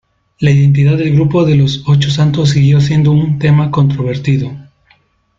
La identidad del grupo de los Ocho Santos siguió siendo un tema controvertido.